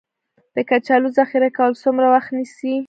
د کچالو ذخیره کول څومره وخت نیسي؟